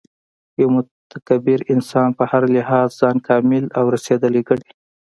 یو متکبر انسان په هر لحاظ ځان کامل او رسېدلی ګڼي